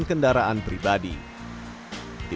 dan memiliki kekuatan yang lebih baik untuk keadaan pribadi